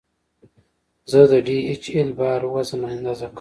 زه د ډي ایچ ایل بار وزن اندازه کوم.